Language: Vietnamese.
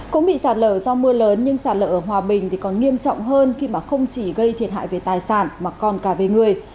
cũng bị sạt lở do mưa lớn nhưng sạt lở ở hòa bình thì còn nghiêm trọng hơn khi mà không chỉ gây thiệt hại về tài sản mà còn cả về người